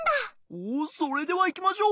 おおそれではいきましょう。